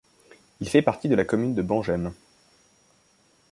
Il fait partie de la commune de Bangem.